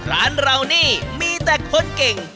ร้านเรานี่มีแต่คนเก่ง